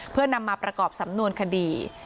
เพื่อนำมาประกอบสำนวนคดี